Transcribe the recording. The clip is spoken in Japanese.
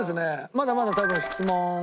まだまだ多分質問とかね